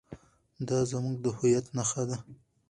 دا زموږ د هویت نښه ده.